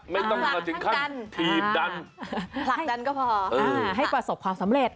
ไม่ต้องมาถึงขั้นทีมดันผลักดันก็พอให้ประสบความสำเร็จ